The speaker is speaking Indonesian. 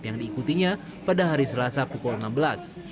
yang diikutinya pada hari selasa pukul enam belas